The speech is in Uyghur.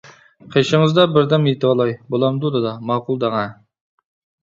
-قېشىڭىزدا بىردەم يېتىۋالاي، بولامدۇ؟ دادا، ماقۇل دەڭە.